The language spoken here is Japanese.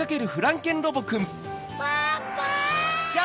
パパ！